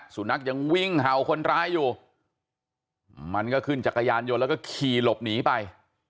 สุนัขยังวิ่งเห่าคนร้ายอยู่มันก็ขึ้นจักรยานยนต์แล้วก็ขี่หลบหนีไป